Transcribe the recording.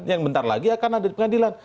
yang bentar lagi akan ada di pengadilan